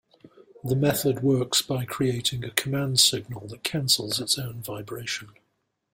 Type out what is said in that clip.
The method works by creating a command signal that cancels its own vibration.